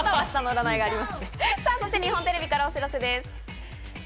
そして、日本テレビからお知らせです。